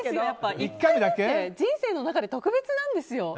１回目って人生の中で特別なんですよ。